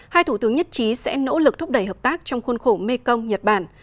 hai thủ tướng nhất trí sẽ nỗ lực thúc đẩy hợp tác trong khuôn khổ mekong nhật bản